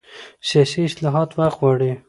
سیاسي اصلاحات وخت غواړي